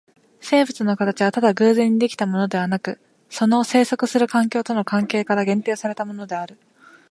生物の形はただ偶然に出来たものでなく、その棲息する環境との関係から限定されたものである。